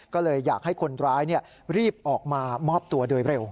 ก็เลยอยากให้คนร้ายรีบออกมามอบตัวโดยเร็ว